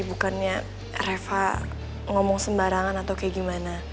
bukannya reva ngomong sembarangan atau kayak gimana